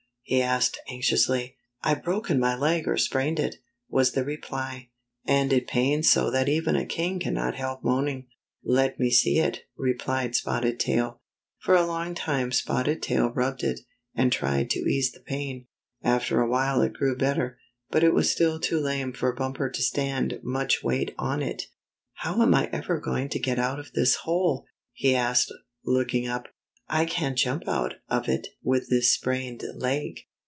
he asked anxiously. "I've broken my leg or sprained it," was the reply. "And it pains so that even a king can not help moaning." " Let me see it," replied Spotted Tail. For a long time Spotted Tail rubbed it, and tried to ease the pain. After a while it grew better, but it was still too lame for Bumper to stand much weight on it. "How am I ever going to get out of this hole? " he asked, looking up. " I can't jump out of it with this sprained leg."